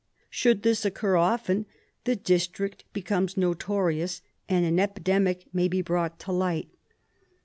Should this occur often, the district becomes notorious and an epidemic may be brought to light.